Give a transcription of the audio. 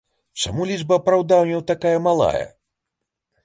Чаму лічба апраўданняў такая малая?